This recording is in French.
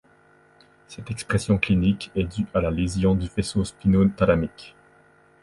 Cette expression clinique est due à la lésion du faisceau spinothalamique.